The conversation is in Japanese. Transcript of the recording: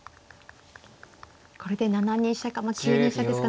これで７二飛車かまあ９二飛車ですか。